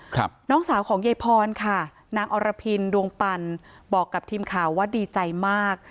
ครับน้องสาวของยายพรค่ะนางอรพินดวงปันบอกกับทีมข่าวว่าดีใจมาก